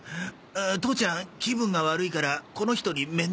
父ちゃん気分が悪いからこの人に面倒見てもらいなさい。